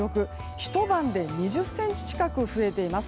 ひと晩で２０ｃｍ近く増えています。